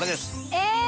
え！